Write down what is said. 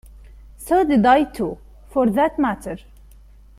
So did I too, for that matter.